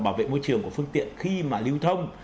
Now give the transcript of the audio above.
bảo vệ môi trường của phương tiện khi mà lưu thông